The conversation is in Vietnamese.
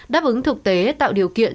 đáp ứng thực tế tạo điều kiện